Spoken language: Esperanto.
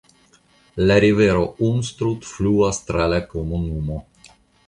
La rivero Unstrut fluas tra la komunumo.